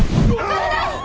危ない！